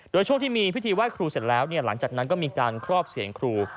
โดยช่วงที่มีพิธีไหว้ครูเสร็จแล้วหลังจากนั้นก็มีการครอบเสียงครู